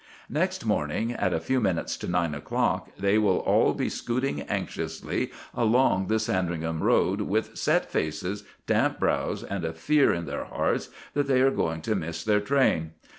Next morning, at a few minutes to nine o'clock, they will all be scooting anxiously along the Sandringham Road with set faces, damp brows, and a fear at their hearts that they are going to miss their train.